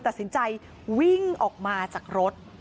ตัดสินใจวิ่งออกมาจากรถ